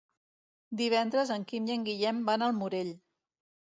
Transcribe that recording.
Divendres en Quim i en Guillem van al Morell.